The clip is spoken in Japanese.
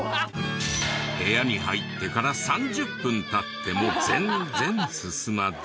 部屋に入ってから３０分経っても全然進まず。